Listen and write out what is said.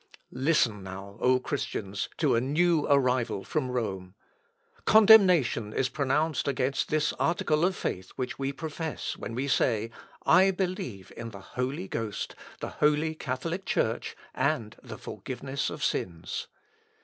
Listen now, O! Christians, to a new arrival from Rome. Condemnation is pronounced against this article of faith which we profess when we say 'I believe in the Holy Ghost, the Holy Catholic Church, and the forgiveness of sins.'